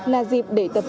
là dịp để tập trung